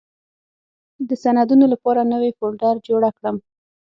د سندونو لپاره نوې فولډر جوړه کړم.